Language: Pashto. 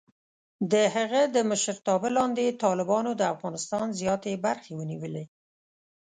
د هغه د مشرتابه لاندې، طالبانو د افغانستان زیاتې برخې ونیولې.